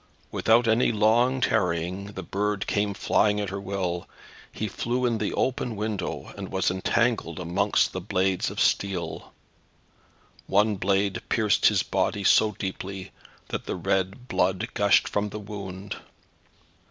Without any long tarrying the bird came flying at her will. He flew in at the open window, and was entangled amongst the blades of steel. One blade pierced his body so deeply, that the red blood gushed from the wound.